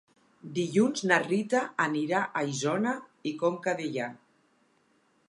Dilluns na Rita anirà a Isona i Conca Dellà.